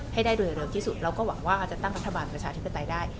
ให้ได้โดยเร็วที่สุดเราก็หวังว่าอาจจะตั้งรัฐบาลประชาธิปไตยได้